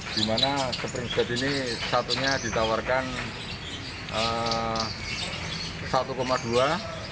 di mana spring bed ini satunya ditawarkan rp satu dua juta